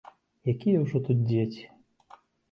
Якія ўжо тут дзеці?